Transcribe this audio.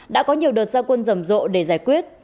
đã có nhiều đợt gia quân rầm rộ để giải quyết